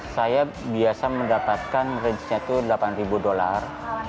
saya biasa mendapatkan range nya itu delapan ribu dolar